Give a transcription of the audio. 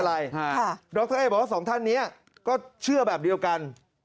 ค้าก็อยากจะบอกว่า๒ท่านนี้ก็เชื่อแบบเดียวกัน